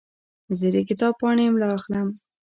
زه د کتاب پاڼې املا اخلم.